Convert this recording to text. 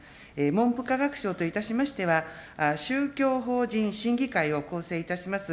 文部科学省といたしましては、宗教法人審議会を構成いたします